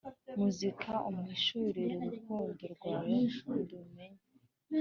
Mukiza umpishurire urukundo rwawe ndumenye